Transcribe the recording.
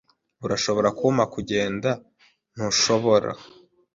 Urashobora kumpa kugenda, ntushobora?